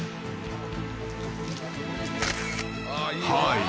［はい。